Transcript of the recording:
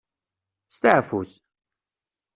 Steɛfut.